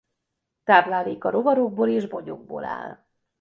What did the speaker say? Tápláléka rovarokból és bogyókból áll.